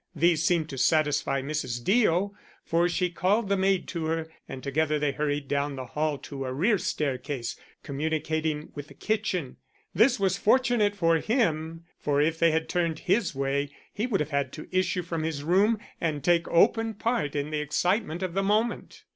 These seemed to satisfy Mrs. Deo, for she called the maid to her and together they hurried down the hall to a rear staircase, communicating with the kitchen. This was fortunate for him, for if they had turned his way he would have had to issue from his room and take open part in the excitement of the moment.